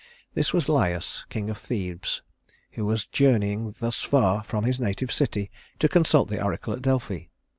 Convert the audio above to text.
This was Laius, king of Thebes, who was journeying thus far from his native city to consult the oracle of Delphi.